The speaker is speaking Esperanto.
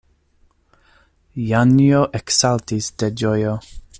Janjo eksaltis de ĝojo.